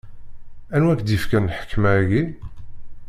Anwa i k-d-ifkan lḥekma-agi?